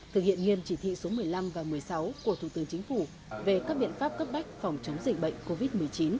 thực hiện nghiêm chỉ thị số một mươi năm và một mươi sáu của thủ tướng chính phủ về các biện pháp cấp bách phòng chống dịch bệnh covid một mươi chín